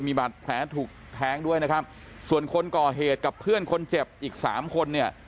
มีบาดแผลถูกแทงด้วยนะครับส่วนคนก่อเหตุกับเพื่อนคนเจ็บอีกสามคนเนี่ย